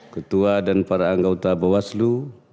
ketua dan para anggota bawaslu